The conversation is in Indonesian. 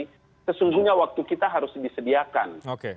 jadi sesungguhnya waktu kita harus disediakan